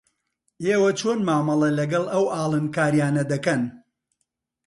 ئێوە چۆن مامەڵە لەگەڵ ئەو ئاڵنگارییانە دەکەن؟